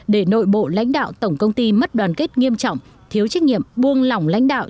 để nội bộ lãnh đạo tổng công ty mất đoàn kết nghiêm trọng thiếu trách nhiệm buông lỏng lãnh đạo